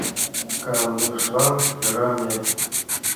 Канышлан кӧра ме